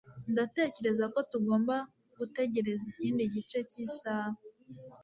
Ndatekereza ko tugomba gutegereza ikindi gice cy'isaha.